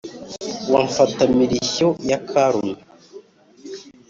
wa mfitimirishyo ya karume